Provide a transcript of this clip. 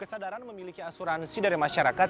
kesadaran memiliki asuransi dari masyarakat